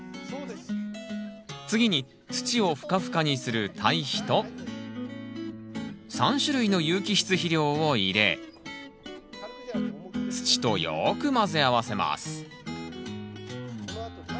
次に土をふかふかにする堆肥と３種類の有機質肥料を入れ土とよく混ぜ合わせます